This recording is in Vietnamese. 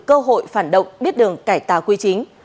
từ cơ hội phản động biết đường cải tà quy chính